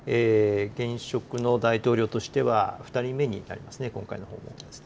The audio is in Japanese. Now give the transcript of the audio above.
現職の大統領としては、２人目になりますね、今回の訪問。